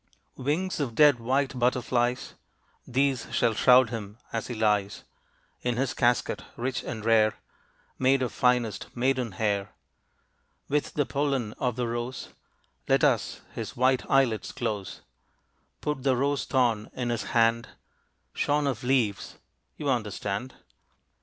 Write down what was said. Wings of dead white butterflies, These shall shroud him, as he lies In his casket rich and rare, Made of finest maiden hair. With the pollen of the rose Let us his white eye lids close. Put the rose thorn in his hand, Shorn of leaves you understand.